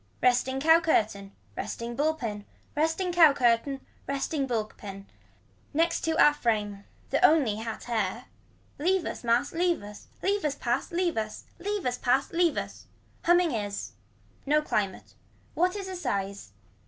Resting cow curtain. Resting bull pin. Resting cow curtain. Resting bull pin. Next to a frame. The only hat hair. Leave us mass leave us. Leave us pass. Leave us. Leave us pass leave us. Humming is. No climate. What is a size.